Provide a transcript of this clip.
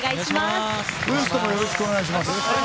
ＷＥＳＴ．もよろしくお願いします。